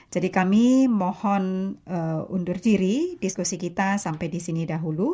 jadi kami mohon undur diri diskusi kita sampai di sini dahulu